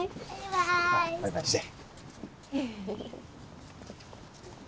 ほらバイバイして。